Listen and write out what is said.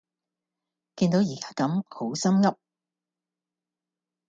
見都而家咁好心悒